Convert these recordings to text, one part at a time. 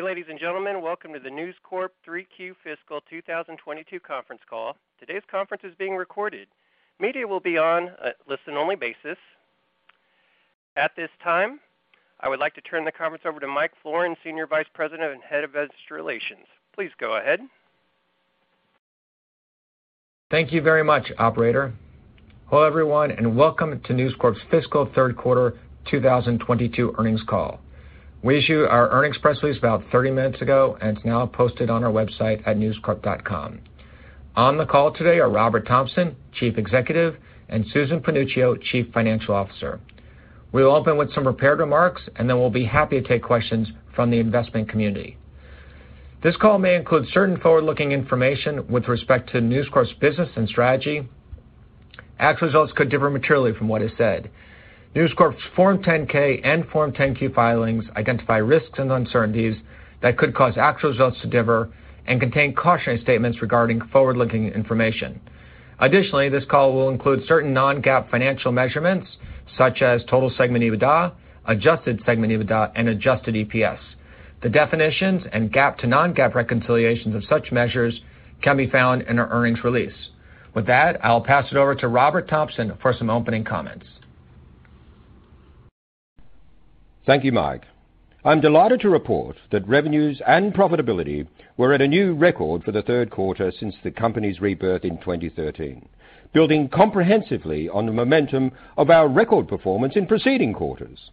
Good day, ladies and gentlemen. Welcome to the News Corp 3Q fiscal 2022 conference call. Today's conference is being recorded. Media will be on a listen-only basis. At this time, I would like to turn the conference over to Michael Florin, Senior Vice President and Head of Investor Relations. Please go ahead. Thank you very much, operator. Hello, everyone, and welcome to News Corp's fiscal third quarter 2022 earnings call. We issued our earnings press release about 30 minutes ago, and it's now posted on our website at newscorp.com. On the call today are Robert Thomson, Chief Executive, and Susan Panuccio, Chief Financial Officer. We'll open with some prepared remarks, and then we'll be happy to take questions from the investment community. This call may include certain forward-looking information with respect to News Corp's business and strategy. Actual results could differ materially from what is said. News Corp's Form 10-K and Form 10-Q filings identify risks and uncertainties that could cause actual results to differ and contain cautionary statements regarding forward-looking information. Additionally, this call will include certain non-GAAP financial measurements, such as total segment EBITDA, adjusted segment EBITDA, and adjusted EPS. The definitions and GAAP to non-GAAP reconciliations of such measures can be found in our earnings release. With that, I'll pass it over to Robert Thomson for some opening comments. Thank you, Mike. I'm delighted to report that revenues and profitability were at a new record for the third quarter since the company's rebirth in 2013, building comprehensively on the momentum of our record performance in preceding quarters.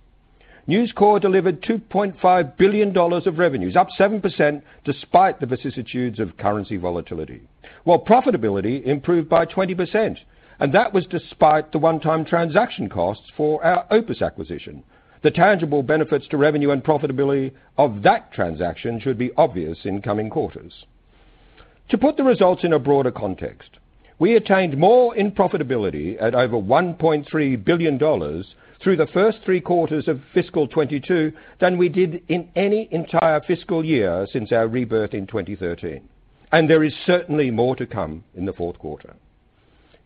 News Corp delivered $2.5 billion of revenues, up 7% despite the vicissitudes of currency volatility, while profitability improved by 20%, and that was despite the one-time transaction costs for our OPIS acquisition. The tangible benefits to revenue and profitability of that transaction should be obvious in coming quarters. To put the results in a broader context, we attained more in profitability at over $1.3 billion through the first three quarters of fiscal 2022 than we did in any entire fiscal year since our rebirth in 2013, and there is certainly more to come in the fourth quarter.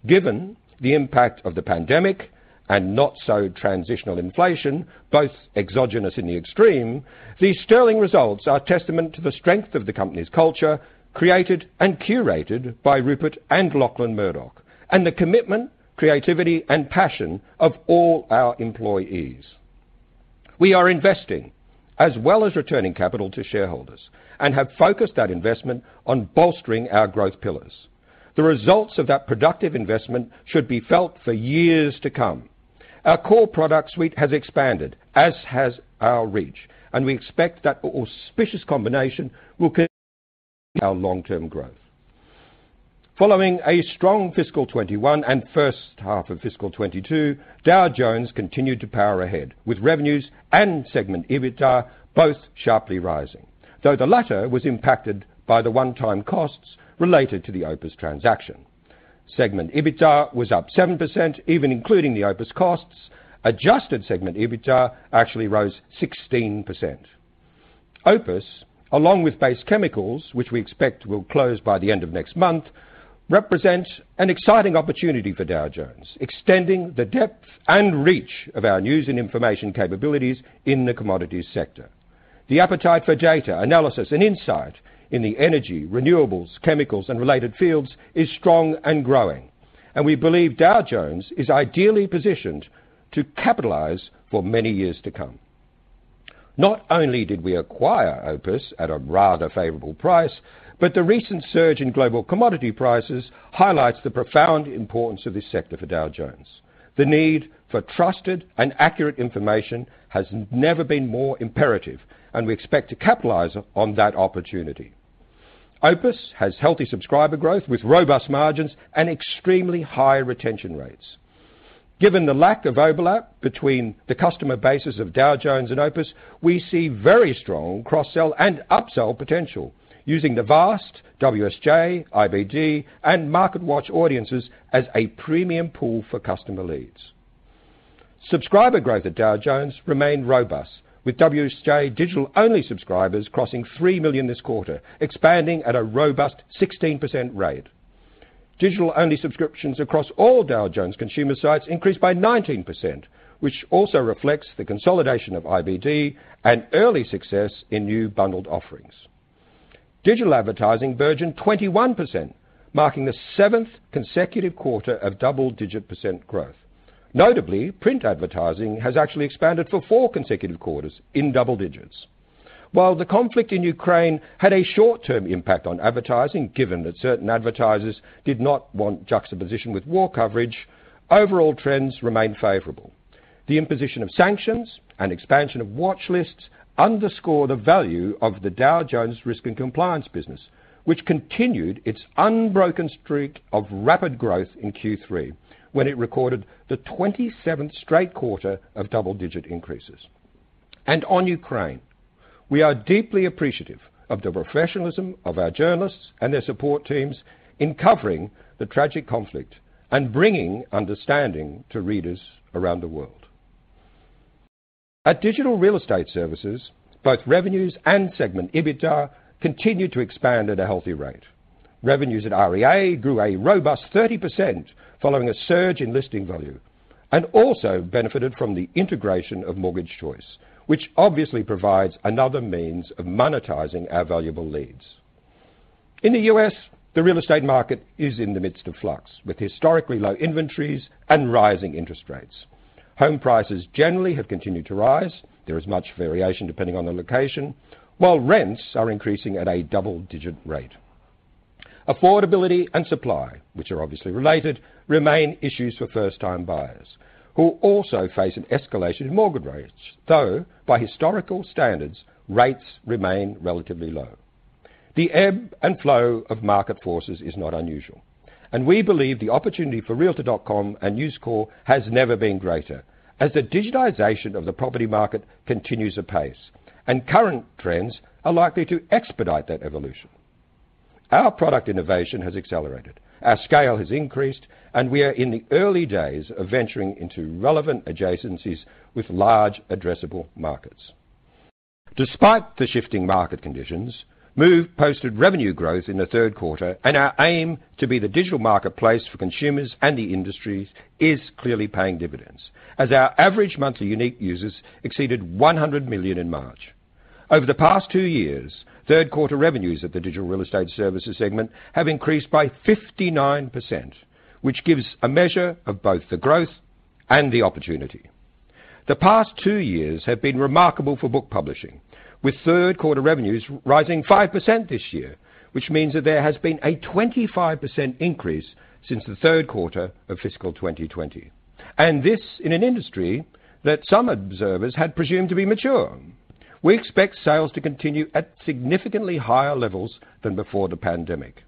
Given the impact of the pandemic and not so transitional inflation, both exogenous in the extreme, these sterling results are testament to the strength of the company's culture created and curated by Rupert and Lachlan Murdoch, and the commitment, creativity, and passion of all our employees. We are investing as well as returning capital to shareholders and have focused that investment on bolstering our growth pillars. The results of that productive investment should be felt for years to come. Our core product suite has expanded as has our reach, and we expect that auspicious combination will continue our long-term growth. Following a strong fiscal 2021 and first half of fiscal 2022, Dow Jones continued to power ahead with revenues and segment EBITDA both sharply rising. Though the latter was impacted by the one-time costs related to the OPIS transaction. Segment EBITDA was up 7%, even including the OPIS costs. Adjusted segment EBITDA actually rose 16%. OPIS, along with Base Chemicals, which we expect will close by the end of next month, represents an exciting opportunity for Dow Jones, extending the depth and reach of our news and information capabilities in the commodities sector. The appetite for data, analysis, and insight in the energy, renewables, chemicals, and related fields is strong and growing, and we believe Dow Jones is ideally positioned to capitalize for many years to come. Not only did we acquire OPIS at a rather favorable price, but the recent surge in global commodity prices highlights the profound importance of this sector for Dow Jones. The need for trusted and accurate information has never been more imperative, and we expect to capitalize on that opportunity. OPIS has healthy subscriber growth with robust margins and extremely high retention rates. Given the lack of overlap between the customer bases of Dow Jones and OPIS, we see very strong cross-sell and upsell potential using the vast WSJ, IBD, and MarketWatch audiences as a premium pool for customer leads. Subscriber growth at Dow Jones remained robust, with WSJ digital-only subscribers crossing 3 million this quarter, expanding at a robust 16% rate. Digital-only subscriptions across all Dow Jones consumer sites increased by 19%, which also reflects the consolidation of IBD and early success in new bundled offerings. Digital advertising burgeoned 21%, marking the seventh consecutive quarter of double-digit % growth. Notably, print advertising has actually expanded for 4 consecutive quarters in double digits. While the conflict in Ukraine had a short-term impact on advertising, given that certain advertisers did not want juxtaposition with war coverage, overall trends remain favorable. The imposition of sanctions and expansion of watch lists underscore the value of the Dow Jones Risk & Compliance business, which continued its unbroken streak of rapid growth in Q3 when it recorded the 27th straight quarter of double-digit increases. On Ukraine, we are deeply appreciative of the professionalism of our journalists and their support teams in covering the tragic conflict and bringing understanding to readers around the world. At Digital Real Estate Services, both revenues and segment EBITDA continue to expand at a healthy rate. Revenues at REA grew a robust 30% following a surge in listing volume, and also benefited from the integration of Mortgage Choice, which obviously provides another means of monetizing our valuable leads. In the U.S., the real estate market is in the midst of flux, with historically low inventories and rising interest rates. Home prices generally have continued to rise. There is much variation depending on the location, while rents are increasing at a double-digit rate. Affordability and supply, which are obviously related, remain issues for first-time buyers, who also face an escalation in mortgage rates. Though, by historical standards, rates remain relatively low. The ebb and flow of market forces is not unusual, and we believe the opportunity for realtor.com and News Corp has never been greater, as the digitization of the property market continues apace, and current trends are likely to expedite that evolution. Our product innovation has accelerated, our scale has increased, and we are in the early days of venturing into relevant adjacencies with large addressable markets. Despite the shifting market conditions, Move posted revenue growth in the third quarter, and our aim to be the digital marketplace for consumers and the industries is clearly paying dividends as our average monthly unique users exceeded 100 million in March. Over the past two years, third quarter revenues at the Digital Real Estate Services segment have increased by 59%, which gives a measure of both the growth and the opportunity. The past two years have been remarkable for book publishing, with third quarter revenues rising 5% this year, which means that there has been a 25% increase since the third quarter of fiscal 2020. This in an industry that some observers had presumed to be mature. We expect sales to continue at significantly higher levels than before the pandemic.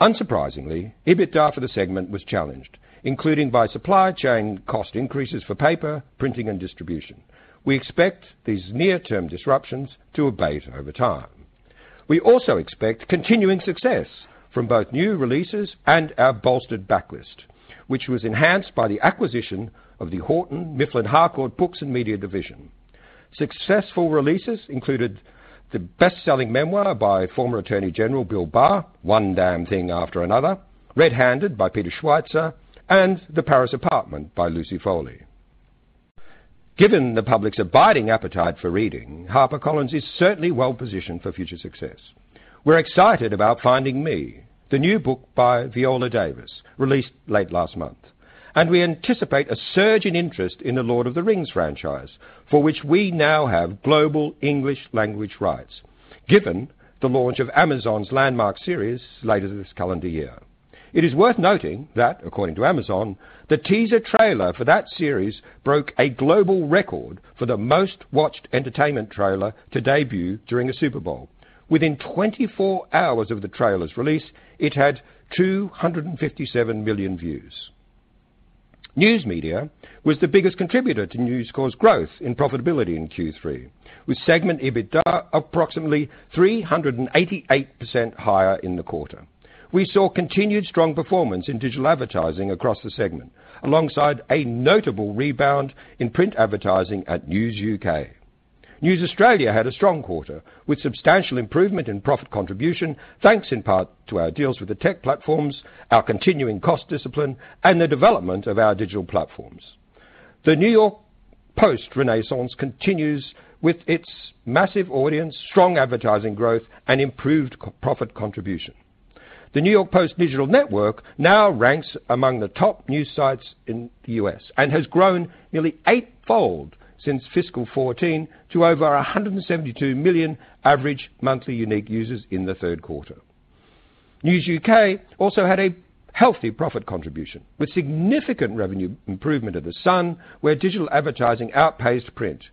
Unsurprisingly, EBITDA for the segment was challenged, including by supply chain cost increases for paper, printing, and distribution. We expect these near term disruptions to abate over time. We also expect continuing success from both new releases and our bolstered backlist, which was enhanced by the acquisition of the Houghton Mifflin Harcourt Books & Media division. Successful releases included the best-selling memoir by former Attorney General Bill Barr, One Damn Thing After Another, Red-Handed by Peter Schweizer, and The Paris Apartment by Lucy Foley. Given the public's abiding appetite for reading, HarperCollins is certainly well-positioned for future success. We're excited about Finding Me, the new book by Viola Davis, released late last month. We anticipate a surge in interest in The Lord of the Rings franchise, for which we now have global English language rights, given the launch of Amazon's landmark series later this calendar year. It is worth noting that according to Amazon, the teaser trailer for that series broke a global record for the most watched entertainment trailer to debut during a Super Bowl. Within 24 hours of the trailer's release, it had 257 million views. News Media was the biggest contributor to News Corp's growth in profitability in Q3, with segment EBITDA approximately 388% higher in the quarter. We saw continued strong performance in digital advertising across the segment, alongside a notable rebound in print advertising at News UK. News Australia had a strong quarter, with substantial improvement in profit contribution, thanks in part to our deals with the tech platforms, our continuing cost discipline, and the development of our digital platforms. The New York Post renaissance continues with its massive audience, strong advertising growth, and improved profit contribution. The New York Post digital network now ranks among the top news sites in the U.S. and has grown nearly eight-fold since fiscal 2014 to over 172 million average monthly unique users in the third quarter. News UK also had a healthy profit contribution, with significant revenue improvement at The Sun, where digital advertising outpaced print.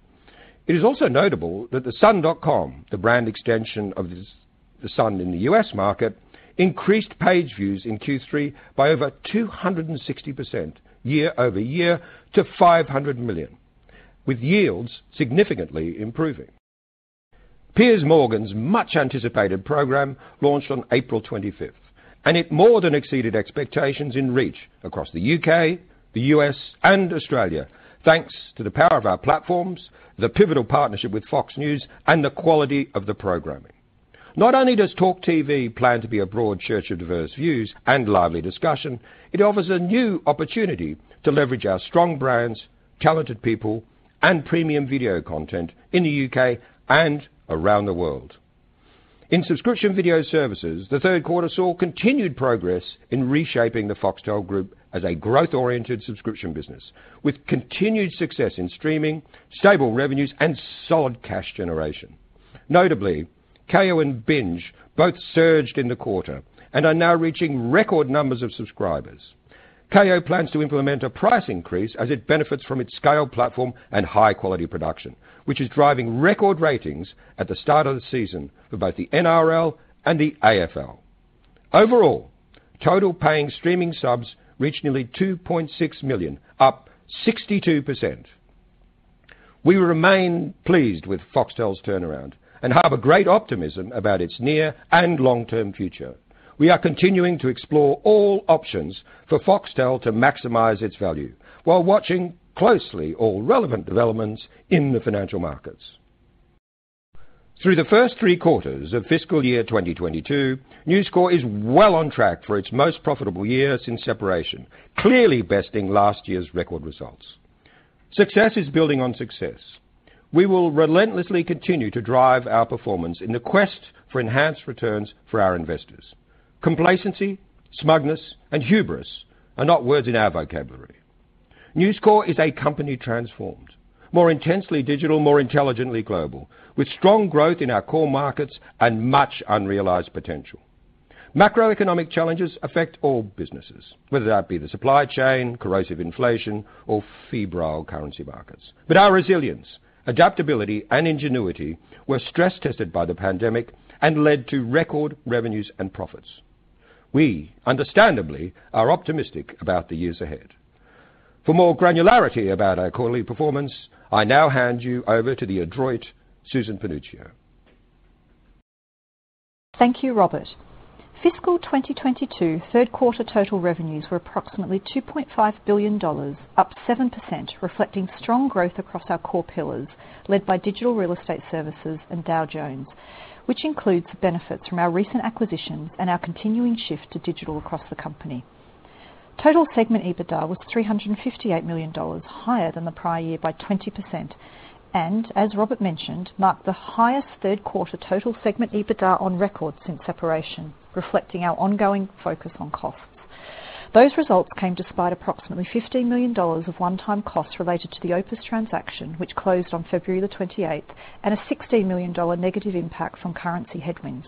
It is also notable that TheSun.com, the brand extension of The Sun in the U.S. market, increased page views in Q3 by over 260% year-over-year to 500 million, with yields significantly improving. Piers Morgan's much anticipated program launched on April 25th, and it more than exceeded expectations in reach across the U.K., the U.S., and Australia, thanks to the power of our platforms, the pivotal partnership with Fox News, and the quality of the programming. Not only does TalkTV plan to be a broad church of diverse views and lively discussion, it offers a new opportunity to leverage our strong brands, talented people, and premium video content in the UK and around the world. In subscription video services, the third quarter saw continued progress in reshaping the Foxtel Group as a growth-oriented subscription business, with continued success in streaming, stable revenues, and solid cash generation. Notably, Kayo and Binge both surged in the quarter and are now reaching record numbers of subscribers. Kayo plans to implement a price increase as it benefits from its scale platform and high quality production, which is driving record ratings at the start of the season for both the NRL and the AFL. Overall, total paying streaming subs reached nearly 2.6 million, up 62%. We remain pleased with Foxtel's turnaround and have a great optimism about its near and long-term future. We are continuing to explore all options for Foxtel to maximize its value, while watching closely all relevant developments in the financial markets. Through the first three quarters of fiscal year 2022, News Corp is well on track for its most profitable year since separation, clearly besting last year's record results. Success is building on success. We will relentlessly continue to drive our performance in the quest for enhanced returns for our investors. Complacency, smugness, and hubris are not words in our vocabulary. News Corp is a company transformed, more intensely digital, more intelligently global, with strong growth in our core markets and much unrealized potential. Macroeconomic challenges affect all businesses, whether that be the supply chain, corrosive inflation, or febrile currency markets. Our resilience, adaptability, and ingenuity were stress-tested by the pandemic and led to record revenues and profits. We understandably are optimistic about the years ahead. For more granularity about our quarterly performance, I now hand you over to the adroit Susan Panuccio. Thank you, Robert. Fiscal 2022 third quarter total revenues were approximately $2.5 billion, up 7%, reflecting strong growth across our core pillars led by Digital Real Estate Services and Dow Jones, which includes the benefits from our recent acquisitions and our continuing shift to digital across the company. Total segment EBITDA was $358 million, higher than the prior year by 20%, and as Robert mentioned, marked the highest third quarter total segment EBITDA on record since separation, reflecting our ongoing focus on costs. Those results came despite approximately $15 million of one-time costs related to the OPIS transaction, which closed on February 28th, and a $16 million negative impact from currency headwinds.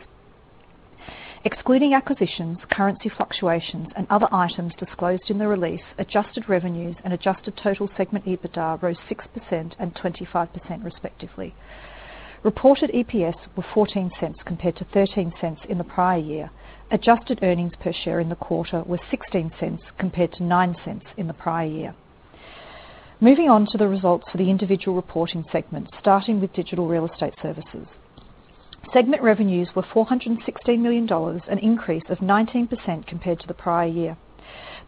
Excluding acquisitions, currency fluctuations, and other items disclosed in the release, adjusted revenues and adjusted total segment EBITDA rose 6% and 25% respectively. Reported EPS were $0.14 compared to $0.13 in the prior year. Adjusted earnings per share in the quarter were $0.16 compared to $0.09 in the prior year. Moving on to the results for the individual reporting segments, starting with Digital Real Estate Services. Segment revenues were $416 million, an increase of 19% compared to the prior year.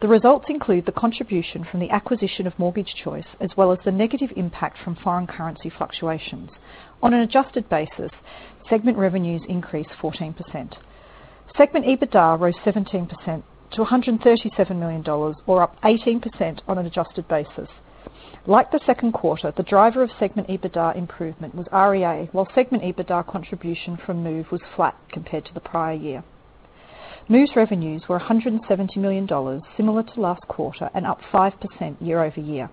The results include the contribution from the acquisition of Mortgage Choice, as well as the negative impact from foreign currency fluctuations. On an adjusted basis, segment revenues increased 14%. Segment EBITDA rose 17% to $137 million, or up 18% on an adjusted basis. Like the second quarter, the driver of segment EBITDA improvement was REA, while segment EBITDA contribution from Move was flat compared to the prior year. Move's revenues were $170 million, similar to last quarter and up 5% year-over-year.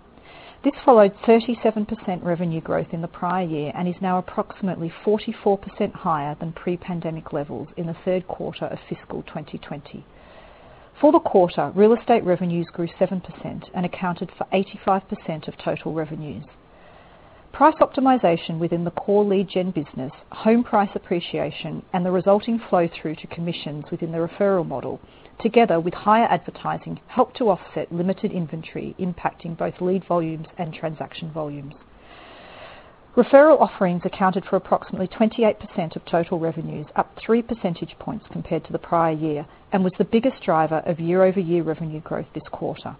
This followed 37% revenue growth in the prior year and is now approximately 44% higher than pre-pandemic levels in the third quarter of fiscal 2020. For the quarter, real estate revenues grew 7% and accounted for 85% of total revenues. Price optimization within the core lead gen business, home price appreciation, and the resulting flow through to commissions within the referral model, together with higher advertising, helped to offset limited inventory impacting both lead volumes and transaction volumes. Referral offerings accounted for approximately 28% of total revenues, up three percentage points compared to the prior year, and was the biggest driver of year-over-year revenue growth this quarter.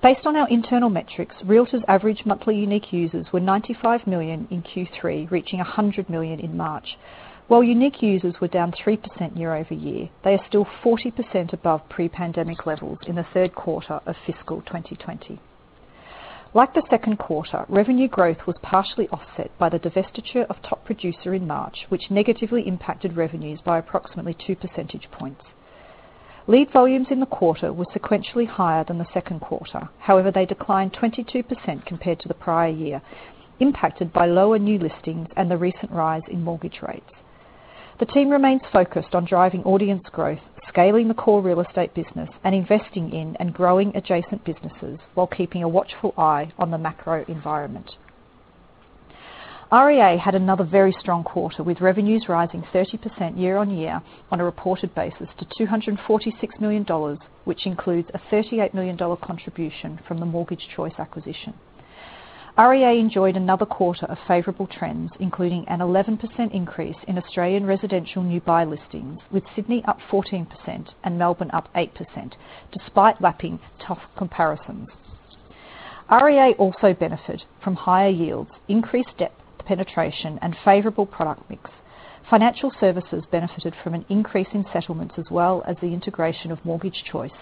Based on our internal metrics, realtor.com's average monthly unique users were 95 million in Q3, reaching 100 million in March. While unique users were down 3% year-over-year, they are still 40% above pre-pandemic levels in the third quarter of fiscal 2020. Like the second quarter, revenue growth was partially offset by the divestiture of Top Producer in March, which negatively impacted revenues by approximately two percentage points. Lead volumes in the quarter were sequentially higher than the second quarter. However, they declined 22% compared to the prior year, impacted by lower new listings and the recent rise in mortgage rates. The team remains focused on driving audience growth, scaling the core real estate business, and investing in and growing adjacent businesses while keeping a watchful eye on the macro environment. REA had another very strong quarter, with revenues rising 30% year-on-year on a reported basis to $246 million, which includes a $38 million contribution from the Mortgage Choice acquisition. REA enjoyed another quarter of favorable trends, including an 11% increase in Australian residential new buy listings, with Sydney up 14% and Melbourne up 8%, despite lapping tough comparisons. REA also benefited from higher yields, increased depth penetration, and favorable product mix. Financial services benefited from an increase in settlements as well as the integration of Mortgage Choice,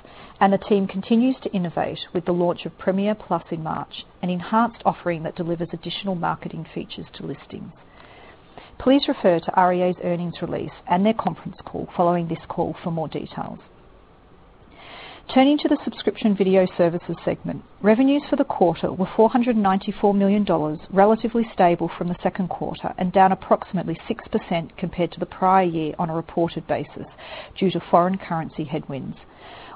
and the team continues to innovate with the launch of Premier Plus in March, an enhanced offering that delivers additional marketing features to listings. Please refer to REA's earnings release and their conference call following this call for more details. Turning to the subscription video services segment. Revenues for the quarter were $494 million, relatively stable from the second quarter and down approximately 6% compared to the prior year on a reported basis due to foreign currency headwinds.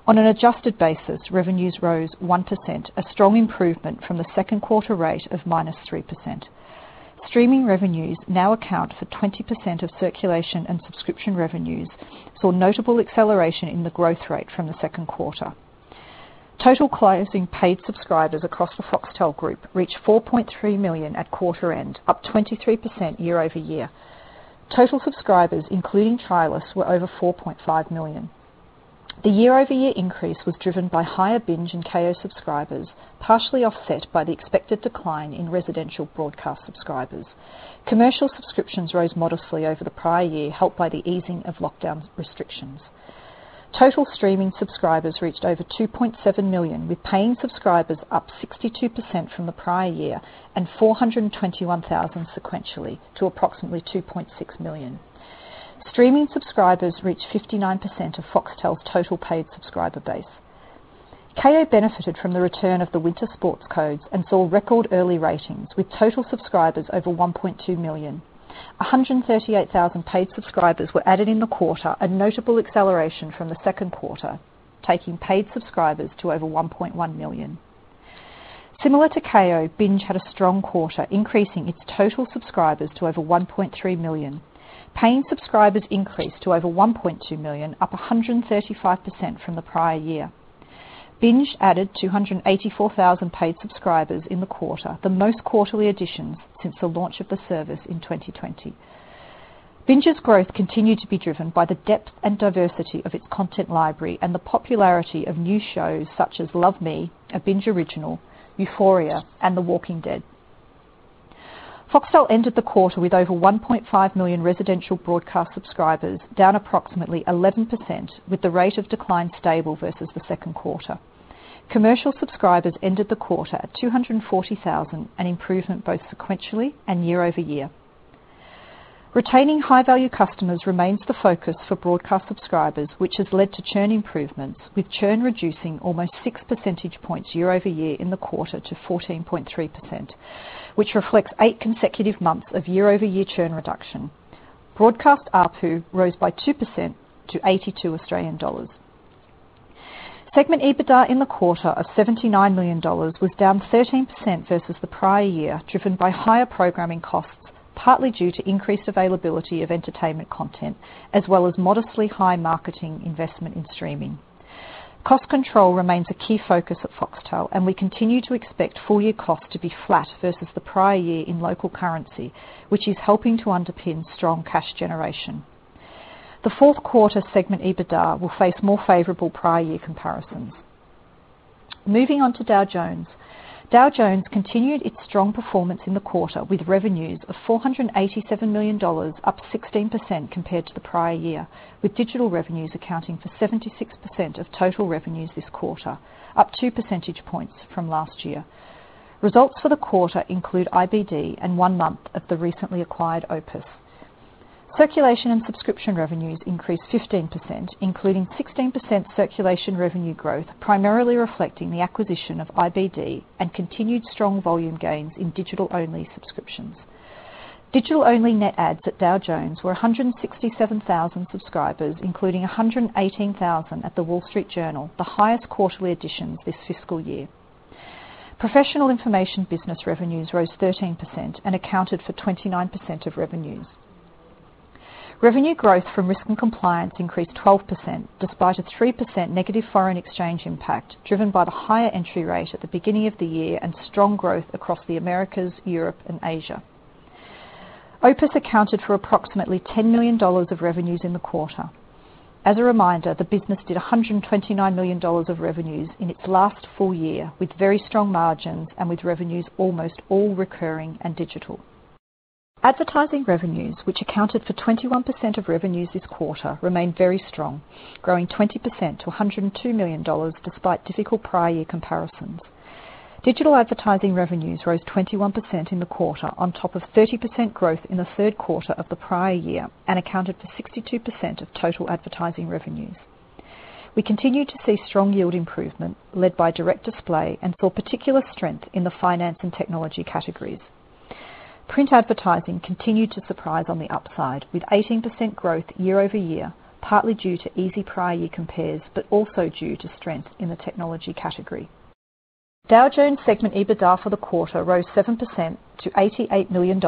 On an adjusted basis, revenues rose 1%, a strong improvement from the second quarter rate of -3%. Streaming revenues now account for 20% of circulation and subscription revenues, saw notable acceleration in the growth rate from the second quarter. Total closing paid subscribers across the Foxtel Group reached 4.3 million at quarter end, up 23% year-over-year. Total subscribers, including trialists, were over 4.5 million. The year-over-year increase was driven by higher Binge and Kayo subscribers, partially offset by the expected decline in residential broadcast subscribers. Commercial subscriptions rose modestly over the prior year, helped by the easing of lockdown restrictions. Total streaming subscribers reached over 2.7 million, with paying subscribers up 62% from the prior year and 421,000 sequentially to approximately 2.6 million. Streaming subscribers reached 59% of Foxtel's total paid subscriber base. Kayo benefited from the return of the winter sports codes and saw record early ratings with total subscribers over 1.2 million. 138,000 paid subscribers were added in the quarter, a notable acceleration from the second quarter, taking paid subscribers to over 1.1 million. Similar to Kayo, Binge had a strong quarter, increasing its total subscribers to over 1.3 million. Paying subscribers increased to over 1.2 million, up 135% from the prior year. Binge added 284,000 paid subscribers in the quarter, the most quarterly additions since the launch of the service in 2020. Binge's growth continued to be driven by the depth and diversity of its content library and the popularity of new shows such as Love Me, a Binge original, Euphoria, and The Walking Dead. Foxtel ended the quarter with over 1.5 million residential broadcast subscribers, down approximately 11% with the rate of decline stable versus the second quarter. Commercial subscribers ended the quarter at 240,000, an improvement both sequentially and year-over-year. Retaining high-value customers remains the focus for broadcast subscribers, which has led to churn improvements, with churn reducing almost 6 percentage points year-over-year in the quarter to 14.3%, which reflects 8 consecutive months of year-over-year churn reduction. Broadcast ARPU rose by 2% to 82 Australian dollars. Segment EBITDA in the quarter of $79 million was down 13% versus the prior year, driven by higher programming costs, partly due to increased availability of entertainment content, as well as modestly high marketing investment in streaming. Cost control remains a key focus at Foxtel, and we continue to expect full-year cost to be flat versus the prior year in local currency, which is helping to underpin strong cash generation. The fourth quarter segment EBITDA will face more favorable prior year comparisons. Moving on to Dow Jones. Dow Jones continued its strong performance in the quarter with revenues of $487 million, up 16% compared to the prior year, with digital revenues accounting for 76% of total revenues this quarter, up 2 percentage points from last year. Results for the quarter include IBD and one month of the recently acquired OPIS. Circulation and subscription revenues increased 15%, including 16% circulation revenue growth, primarily reflecting the acquisition of IBD and continued strong volume gains in digital-only subscriptions. Digital-only net adds at Dow Jones were 167,000 subscribers, including 118,000 at The Wall Street Journal, the highest quarterly addition this fiscal year. Professional information business revenues rose 13% and accounted for 29% of revenues. Revenue growth from Risk & Compliance increased 12%, despite a 3% negative foreign exchange impact, driven by the higher entry rate at the beginning of the year and strong growth across the Americas, Europe, and Asia. OPIS accounted for approximately $10 million of revenues in the quarter. As a reminder, the business did $129 million of revenues in its last full year, with very strong margins and with revenues almost all recurring and digital. Advertising revenues, which accounted for 21% of revenues this quarter, remained very strong, growing 20% to $102 million despite difficult prior year comparisons. Digital advertising revenues rose 21% in the quarter on top of 30% growth in the third quarter of the prior year and accounted for 62% of total advertising revenues. We continue to see strong yield improvement led by direct display and saw particular strength in the finance and technology categories. Print advertising continued to surprise on the upside, with 18% growth year-over-year, partly due to easy prior year compares, but also due to strength in the technology category. Dow Jones segment EBITDA for the quarter rose 7% to $88 million,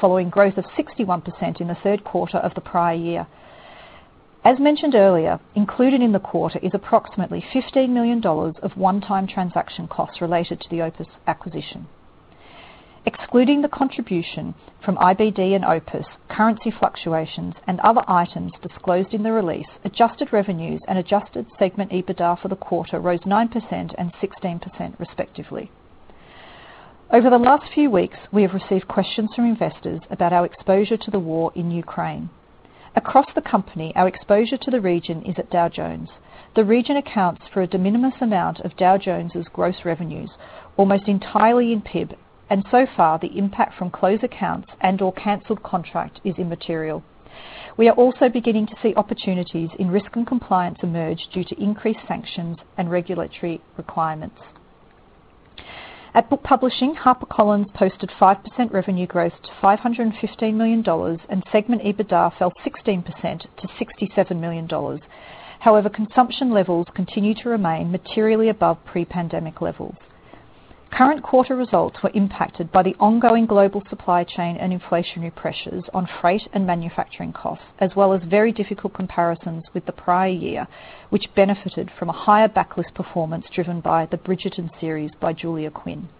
following growth of 61% in the third quarter of the prior year. As mentioned earlier, included in the quarter is approximately $15 million of one-time transaction costs related to the OPIS acquisition. Excluding the contribution from IBD and OPIS, currency fluctuations, and other items disclosed in the release, adjusted revenues and adjusted segment EBITDA for the quarter rose 9% and 16% respectively. Over the last few weeks, we have received questions from investors about our exposure to the war in Ukraine. Across the company, our exposure to the region is at Dow Jones. The region accounts for a de minimis amount of Dow Jones's gross revenues, almost entirely in PIB, and so far, the impact from closed accounts and/or canceled contract is immaterial. We are also beginning to see opportunities in risk and compliance emerge due to increased sanctions and regulatory requirements. At book publishing, HarperCollins posted 5% revenue growth to $515 million, and segment EBITDA fell 16% to $67 million. However, consumption levels continue to remain materially above pre-pandemic levels. Current quarter results were impacted by the ongoing global supply chain and inflationary pressures on freight and manufacturing costs, as well as very difficult comparisons with the prior year, which benefited from a higher backlist performance driven by the Bridgerton series by Julia Quinn.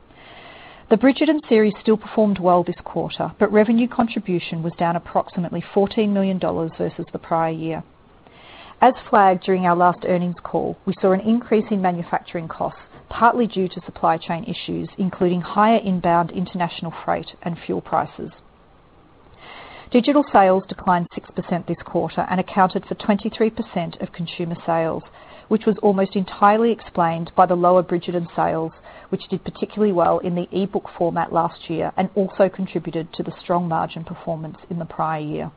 The Bridgerton series still performed well this quarter, but revenue contribution was down approximately $14 million versus the prior year. As flagged during our last earnings call, we saw an increase in manufacturing costs, partly due to supply chain issues, including higher inbound international freight and fuel prices. Digital sales declined 6% this quarter and accounted for 23% of consumer sales, which was almost entirely explained by the lower Bridgerton sales, which did particularly well in the e-book format last year and also contributed to the strong margin performance in the prior year.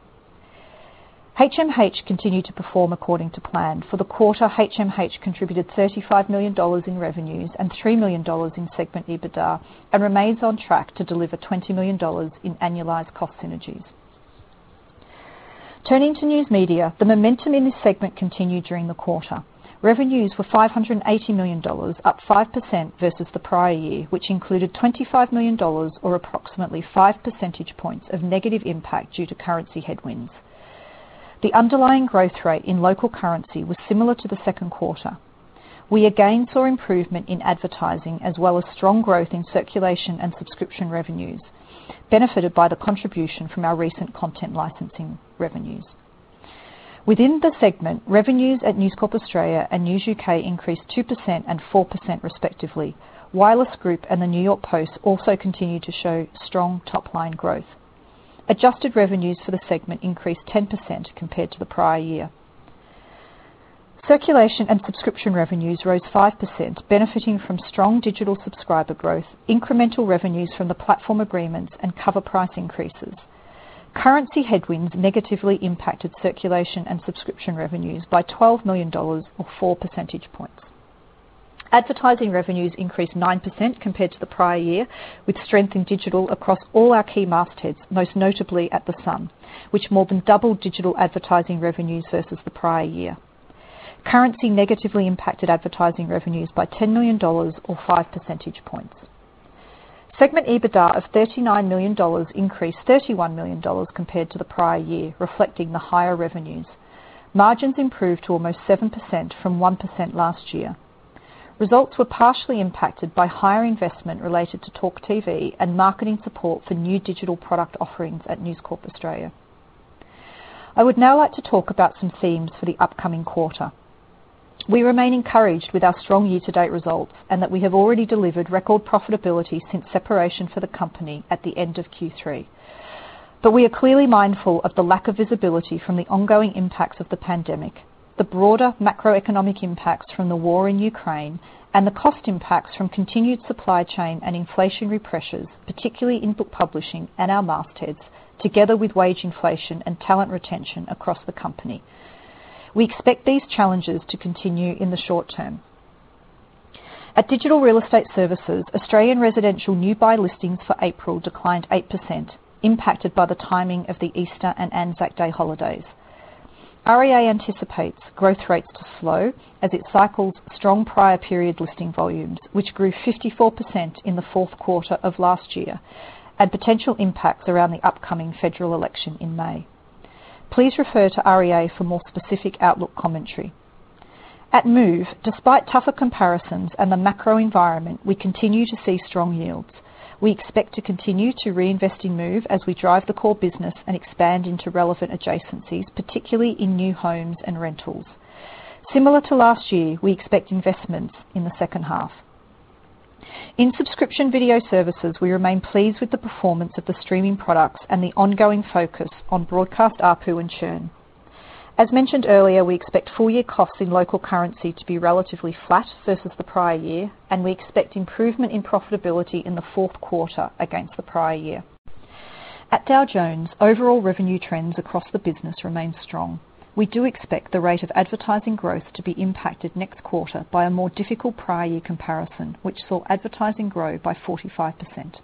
HMH continued to perform according to plan. For the quarter, HMH contributed $35 million in revenues and $3 million in segment EBITDA, and remains on track to deliver $20 million in annualized cost synergies. Turning to News Media, the momentum in this segment continued during the quarter. Revenues were $580 million, up 5% versus the prior year, which included $25 million or approximately five percentage points of negative impact due to currency headwinds. The underlying growth rate in local currency was similar to the second quarter. We again saw improvement in advertising as well as strong growth in circulation and subscription revenues, benefited by the contribution from our recent content licensing revenues. Within the segment, revenues at News Corp Australia and News UK increased 2% and 4% respectively. Wireless Group and the New York Post also continued to show strong top-line growth. Adjusted revenues for the segment increased 10% compared to the prior year. Circulation and subscription revenues rose 5%, benefiting from strong digital subscriber growth, incremental revenues from the platform agreements and cover price increases. Currency headwinds negatively impacted circulation and subscription revenues by $12 million or 4 percentage points. Advertising revenues increased 9% compared to the prior year, with strength in digital across all our key markets, most notably at The Sun, which more than doubled digital advertising revenues versus the prior year. Currency negatively impacted advertising revenues by $10 million or 5 percentage points. Segment EBITDA of $39 million increased $31 million compared to the prior year, reflecting the higher revenues. Margins improved to almost 7% from 1% last year. Results were partially impacted by higher investment related to TalkTV and marketing support for new digital product offerings at News Corp Australia. I would now like to talk about some themes for the upcoming quarter. We remain encouraged with our strong year-to-date results, and that we have already delivered record profitability since separation for the company at the end of Q3. We are clearly mindful of the lack of visibility from the ongoing impacts of the pandemic, the broader macroeconomic impacts from the war in Ukraine, and the cost impacts from continued supply chain and inflationary pressures, particularly in book publishing and our market heads, together with wage inflation and talent retention across the company. We expect these challenges to continue in the short term. At Digital Real Estate Services, Australian residential new buy listings for April declined 8%, impacted by the timing of the Easter and Anzac Day holidays. REA anticipates growth rates to slow as it cycles strong prior period listing volumes, which grew 54% in the fourth quarter of last year, and potential impacts around the upcoming federal election in May. Please refer to REA for more specific outlook commentary. At Move, despite tougher comparisons and the macro environment, we continue to see strong yields. We expect to continue to reinvest in Move as we drive the core business and expand into relevant adjacencies, particularly in new homes and rentals. Similar to last year, we expect investments in the second half. In subscription video services, we remain pleased with the performance of the streaming products and the ongoing focus on broadcast ARPU and churn. As mentioned earlier, we expect full-year costs in local currency to be relatively flat versus the prior year, and we expect improvement in profitability in the fourth quarter against the prior year. At Dow Jones, overall revenue trends across the business remain strong. We do expect the rate of advertising growth to be impacted next quarter by a more difficult prior year comparison, which saw advertising grow by 45%.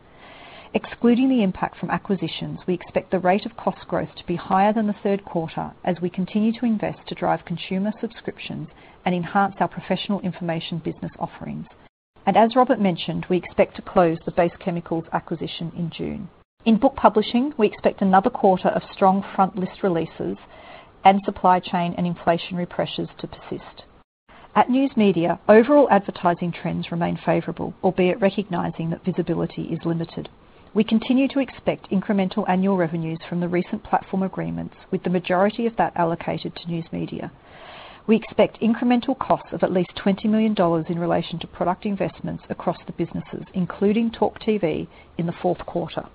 Excluding the impact from acquisitions, we expect the rate of cost growth to be higher than the third quarter as we continue to invest to drive consumer subscription and enhance our professional information business offerings. As Robert mentioned, we expect to close the Base Chemicals acquisition in June. In book publishing, we expect another quarter of strong front list releases and supply chain and inflationary pressures to persist. At News Media, overall advertising trends remain favorable, albeit recognizing that visibility is limited. We continue to expect incremental annual revenues from the recent platform agreements, with the majority of that allocated to News Media. We expect incremental costs of at least $20 million in relation to product investments across the businesses, including TalkTV in the fourth quarter.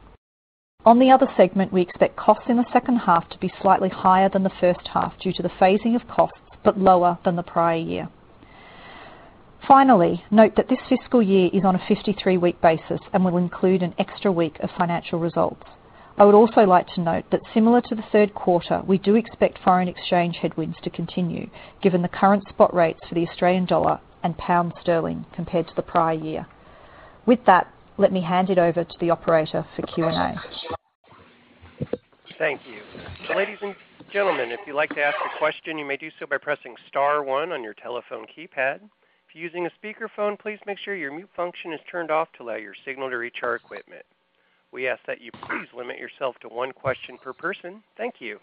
On the other segment, we expect costs in the second half to be slightly higher than the first half due to the phasing of costs, but lower than the prior year. Finally, note that this fiscal year is on a 53-week basis and will include an extra week of financial results. I would also like to note that similar to the third quarter, we do expect foreign exchange headwinds to continue given the current spot rates for the Australian dollar and pound sterling compared to the prior year. With that, let me hand it over to the operator for Q&A. Thank you. Ladies and gentlemen, if you'd like to ask a question, you may do so by pressing star one on your telephone keypad. If you're using a speakerphone, please make sure your mute function is turned off to allow your signal to reach our equipment. We ask that you please limit yourself to one question per person. Thank you.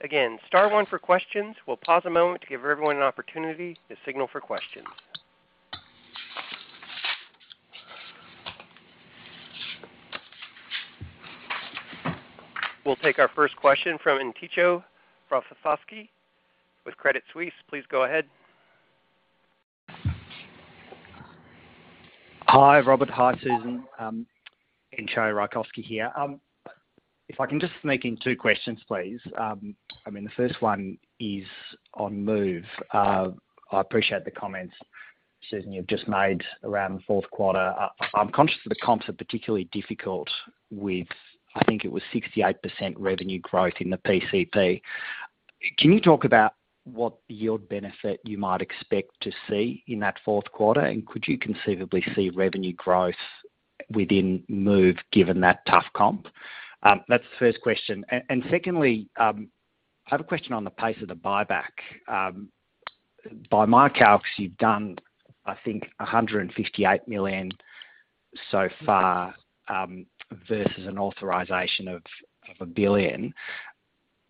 Again, star one for questions. We'll pause a moment to give everyone an opportunity to signal for questions. We'll take our first question from Entcho Raykovski with Credit Suisse. Please go ahead. Hi, Robert. Hi, Susan. Entcho Raykovski here. If I can just sneak in two questions, please. I mean, the first one is on Move. I appreciate the comments, Susan, you've just made around the fourth quarter. I'm conscious that the comps are particularly difficult with, I think it was 68% revenue growth in the PCP. Can you talk about what yield benefit you might expect to see in that fourth quarter? Could you conceivably see revenue growth within Move given that tough comp? That's the first question. Secondly, I have a question on the pace of the buyback. By my calc, you've done, I think, $158 million so far, versus an authorization of $1 billion.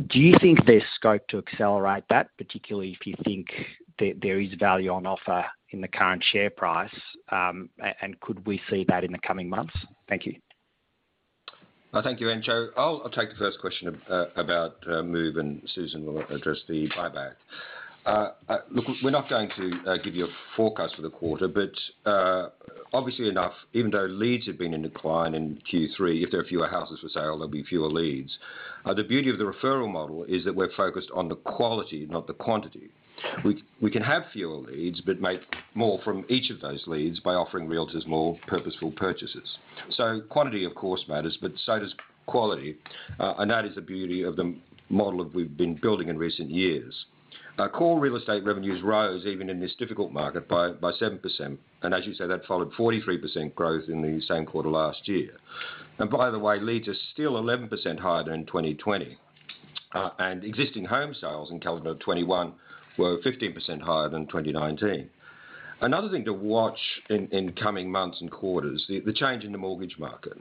Do you think there's scope to accelerate that, particularly if you think there is value on offer in the current share price? Could we see that in the coming months? Thank you. Well, thank you, Entcho. I'll take the first question about Move, and Susan will address the buyback. Look, we're not going to give you a forecast for the quarter, but obviously enough, even though leads have been in decline in Q3, if there are fewer houses for sale, there'll be fewer leads. The beauty of the referral model is that we're focused on the quality, not the quantity. We can have fewer leads, but make more from each of those leads by offering realtors more purposeful purchases. So quantity of course matters, but so does quality. That is the beauty of the model that we've been building in recent years. Our core real estate revenues rose even in this difficult market by 7%. As you said, that followed 43% growth in the same quarter last year. By the way, leads are still 11% higher than 2020. Existing home sales in calendar 2021 were 15% higher than 2019. Another thing to watch in coming months and quarters, the change in the mortgage market,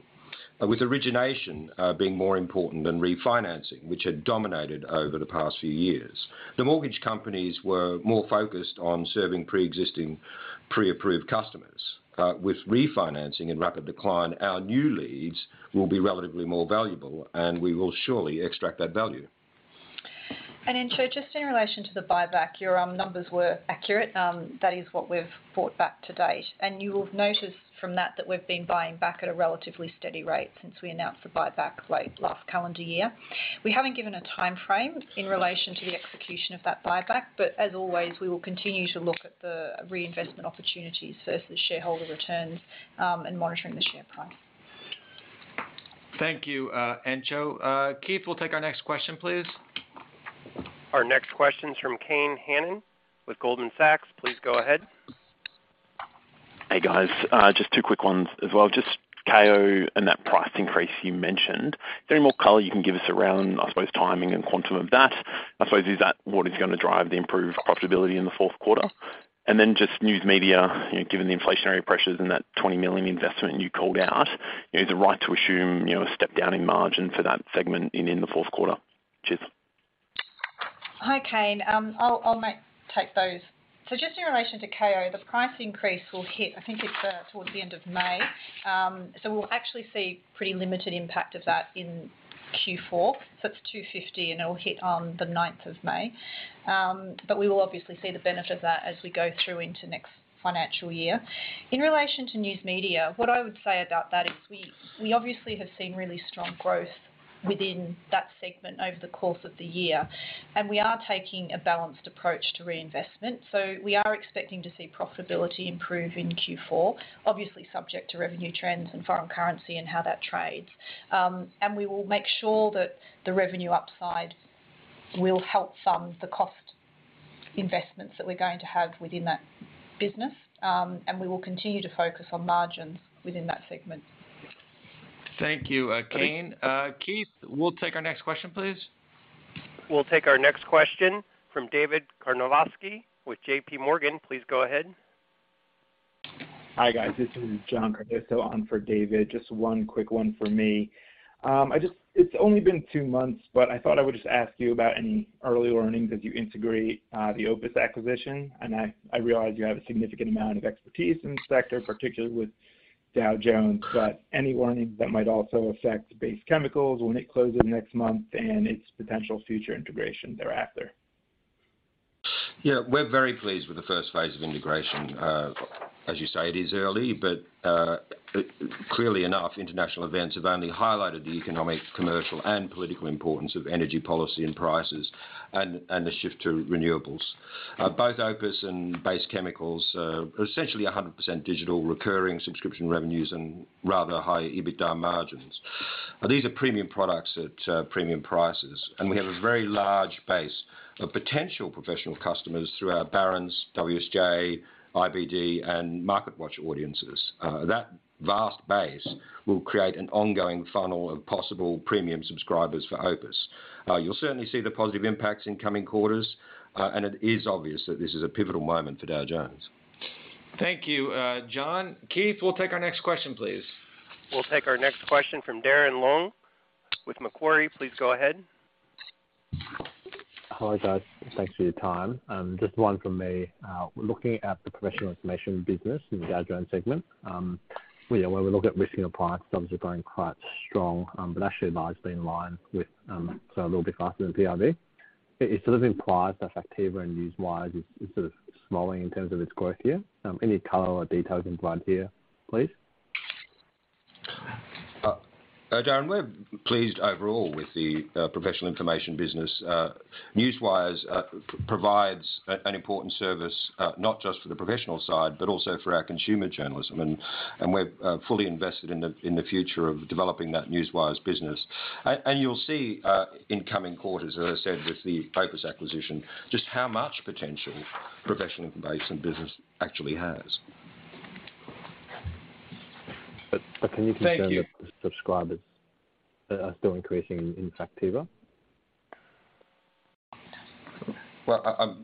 with origination being more important than refinancing, which had dominated over the past few years. The mortgage companies were more focused on serving pre-existing pre-approved customers. With refinancing in rapid decline, our new leads will be relatively more valuable, and we will surely extract that value. Entcho, just in relation to the buyback, your numbers were accurate. That is what we've bought back to date. You will have noticed from that we've been buying back at a relatively steady rate since we announced the buyback late last calendar year. We haven't given a timeframe in relation to the execution of that buyback, but as always, we will continue to look at the reinvestment opportunities versus shareholder returns, and monitoring the share price. Thank you, Entcho. Keith, we'll take our next question, please. Our next question is from Kane Hannan with Goldman Sachs. Please go ahead. Hey, guys. Just two quick ones as well. Just Kayo and that price increase you mentioned. Is there any more color you can give us around, I suppose, timing and quantum of that? I suppose, is that what is gonna drive the improved profitability in the fourth quarter? And then just News Media, you know, given the inflationary pressures and that $20 million investment you called out, is it right to assume, you know, a step down in margin for that segment in the fourth quarter? Cheers. Hi, Kane. I'll take those. Just in relation to Kayo, the price increase will hit, I think it's towards the end of May. We'll actually see pretty limited impact of that in Q4. It's $250, and it will hit on the ninth of May. We will obviously see the benefit of that as we go through into next financial year. In relation to News Media, what I would say about that is we obviously have seen really strong growth within that segment over the course of the year, and we are taking a balanced approach to reinvestment. We are expecting to see profitability improve in Q4, obviously subject to revenue trends and foreign currency and how that trades. We will make sure that the revenue upside will help fund the cost investments that we're going to have within that business. We will continue to focus on margins within that segment. Thank you, Kane. Keith, we'll take our next question, please. We'll take our next question from David Karnovsky with JP Morgan. Please go ahead. Hi, guys. This is John Cardoso on for David. Just one quick one from me. It's only been two months, but I thought I would just ask you about any early learnings as you integrate the OPIS acquisition. I realize you have a significant amount of expertise in this sector, particularly with Dow Jones, but any learnings that might also affect Base Chemicals when it closes next month and its potential future integration thereafter? Yeah. We're very pleased with the first phase of integration. As you say, it is early, but clearly enough, international events have only highlighted the economic, commercial, and political importance of energy policy and prices and the shift to renewables. Both OPIS and Base Chemicals are essentially 100% digital recurring subscription revenues and rather high EBITDA margins. These are premium products at premium prices, and we have a very large base of potential professional customers through our Barron's, WSJ, IBD, and MarketWatch audiences. That vast base will create an ongoing funnel of possible premium subscribers for OPIS. You'll certainly see the positive impacts in coming quarters, and it is obvious that this is a pivotal moment for Dow Jones. Thank you, John. Keith, we'll take our next question, please. We'll take our next question from Darren Leung with Macquarie. Please go ahead. Hi, guys. Thanks for your time. Just one from me. We're looking at the professional information business in the Dow Jones segment. You know, when we look at Risk & Compliance, obviously growing quite strong, but actually largely in line with, so a little bit faster than PIB. It sort of implies that Factiva and Newswires is sort of slowing in terms of its growth here. Any color or details you can provide here, please? Darren, we're pleased overall with the professional information business. Newswires provides an important service, not just for the professional side, but also for our consumer journalism. We're fully invested in the future of developing that Newswires business. You'll see in coming quarters, as I said, with the OPIS acquisition, just how much potential professional information business actually has. Can you confirm? Thank you. that the subscribers are still increasing in Factiva? Well,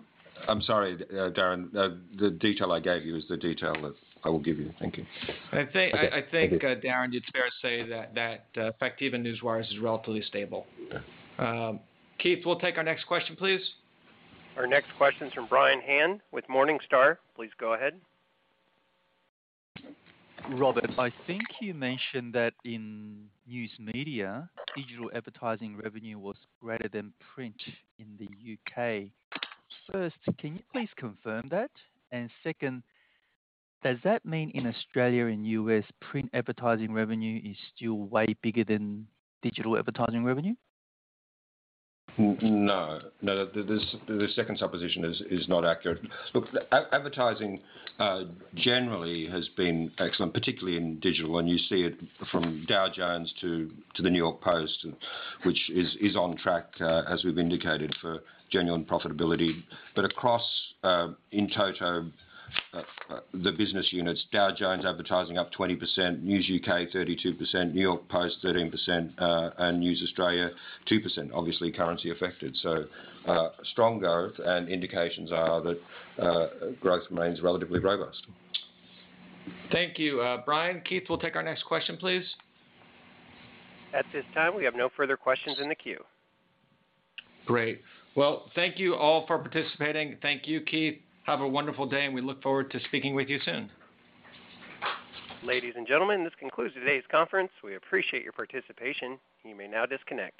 I'm sorry, Darren, the detail I gave you is the detail that I will give you. Thank you. I think. Okay. I think, Darren, it's fair to say that Factiva Newswires is relatively stable. Yeah. Keith, we'll take our next question, please. Our next question from Brian Han with Morningstar. Please go ahead. Robert, I think you mentioned that in News Media, digital advertising revenue was greater than print in the U.K. First, can you please confirm that? Second, does that mean in Australia and U.S., print advertising revenue is still way bigger than digital advertising revenue? No, the second supposition is not accurate. Look, advertising generally has been excellent, particularly in digital, and you see it from Dow Jones to the New York Post, which is on track, as we've indicated, for genuine profitability. Across, in total, the business units, Dow Jones advertising up 20%, News UK 32%, New York Post 13%, and News Australia 2%, obviously currency affected. Strong growth and indications are that growth remains relatively robust. Thank you, Brian. Keith, we'll take our next question, please. At this time, we have no further questions in the queue. Great. Well, thank you all for participating. Thank you, Keith. Have a wonderful day, and we look forward to speaking with you soon. Ladies and gentlemen, this concludes today's conference. We appreciate your participation. You may now disconnect.